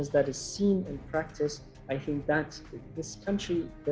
ada banyak pengingatan yang terbatas dalam dua puluh tahun terakhir